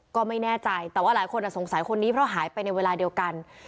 ก็ไม่แน่ใจแต่ว่าหลายคนสงสัยคนนี้เพราะหายไปในเวลาเดียวกัน